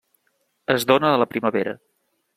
Es dóna a la primavera.